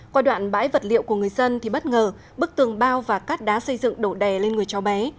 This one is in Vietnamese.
qua đoạn bãi vật liệu của người dân thì bất ngờ bức tường bao và cát đá xây dựng đổ đè lên người cháu bé